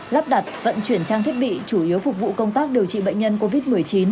lắp đặt vận chuyển trang thiết bị chủ yếu phục vụ công tác điều trị bệnh nhân covid một mươi chín